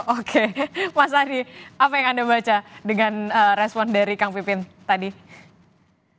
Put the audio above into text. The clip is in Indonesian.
oke mas adi apa yang anda baca dengan respon dari kang pipin tadi